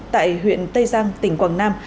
tại huyện tây giang tỉnh quảng nam